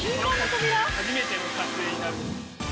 初めての撮影になる。